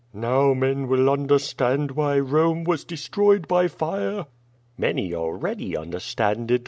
^* "Now men will understand why Rome was destroyed by fire!'^ "Many already understand it.